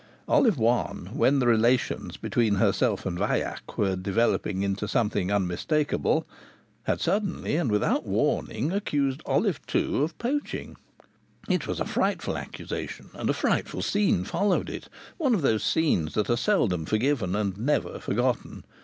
Olive One, when the relations between herself and Vaillac were developing into something unmistakable, had suddenly, and without warning, accused Olive Two of poaching. It was a frightful accusation, and a frightful scene followed it, one of those scenes that are seldom forgiven and never forgotten.